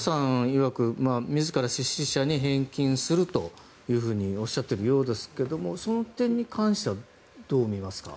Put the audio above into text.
いわく自ら出資者に返金するというふうにおっしゃっているようですがその点に関してはどう見ますか？